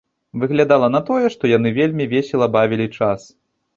Выглядала на тое, што яны вельмі весела бавілі час.